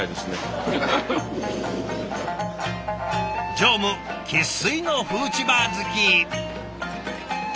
常務生っ粋のフーチバー好き。